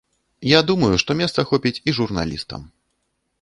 Я думаю, што месца хопіць і журналістам.